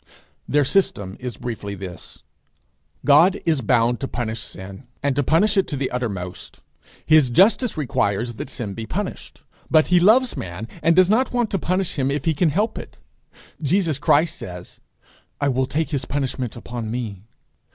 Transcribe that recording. Their system is briefly this: God is bound to punish sin, and to punish it to the uttermost. His justice requires that sin be punished. But he loves man, and does not want to punish him if he can help it. Jesus Christ says, 'I will take his punishment upon me.'